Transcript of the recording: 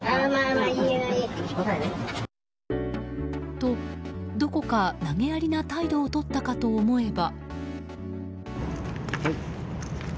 と、どこか投げやりな態度をとったかと思えば。